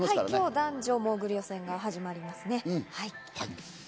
今日、男女モーグル予選が始まります。